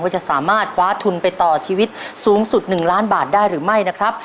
จะสามารถคว้าทุนไปต่อชีวิตสูงสุด๑ล้านบาทได้หรือไม่นะครับ